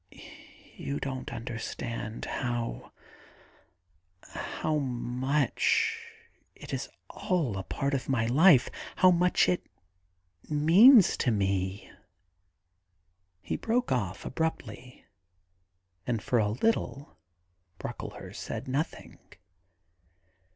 ... You don't understand how — how much it is all a part of my life — how much it means to me ' 84 THE GARDEN GOD He broke off abruptly, and for a little Brocklehurst said nothing.